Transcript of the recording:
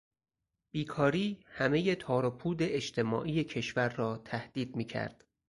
بیکاری همهی تاروپود اجتماعی کشور را تهدید میکرد.